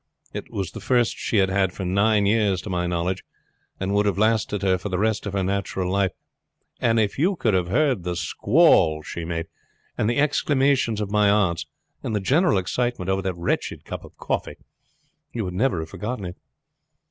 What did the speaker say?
It was the first she had had for nine years to my knowledge, and would have lasted her for the rest of her natural life. And if you could have heard the squall she made, and the exclamations of my aunts, and the general excitement over that wretched cup of coffee, you would never have forgotten it.